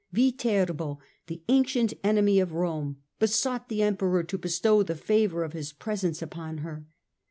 Viterbo, the ancient enemy of Rome, besought the Emperor to bestow the favour of his presence upon her.